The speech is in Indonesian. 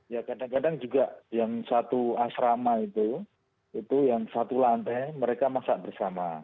ya kadang kadang juga yang satu asrama itu itu yang satu lantai mereka masak bersama